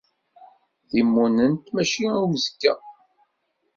Timunent mačči i uzekka.